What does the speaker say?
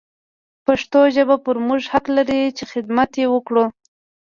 پښتو ژبه پر موږ حق لري چې حدمت يې وکړو.